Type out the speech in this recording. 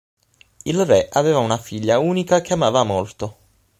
Il re aveva una figlia unica che amava molto.